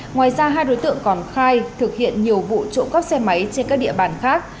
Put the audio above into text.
ngoài ra hai đối tượng còn khai thực hiện nhiều vụ trộm cắp xe máy trên các địa bàn khác